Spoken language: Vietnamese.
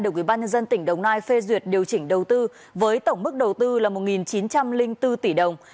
đồng ủy ban nhân dân tỉnh đồng nai phê duyệt điều chỉnh đầu tư với tổng mức đầu tư là một chín trăm linh bốn tỷ đồng